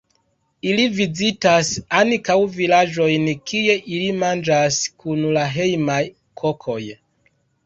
Ili vizitas ankaŭ vilaĝojn kie ili manĝas kun la hejmaj kokoj.